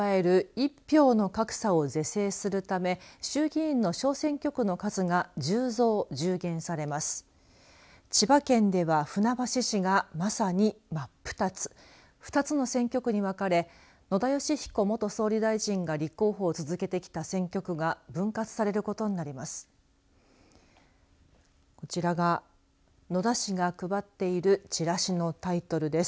２つの選挙区に分かれ野田佳彦元総理大臣が立候補を続けてきた選挙区が分割されることになります。